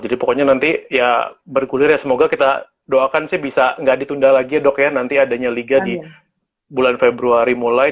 jadi pokoknya nanti ya bergulir ya semoga kita doakan sih bisa nggak ditunda lagi ya dok ya nanti adanya liga di bulan februari mulai